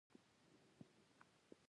قبر د آخرت د منزلونو لومړی منزل دی.